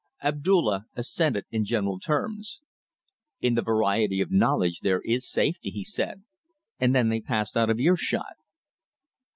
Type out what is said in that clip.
Abdulla assented in general terms. "In the variety of knowledge there is safety," he said; and then they passed out of earshot.